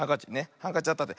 ハンカチあったって。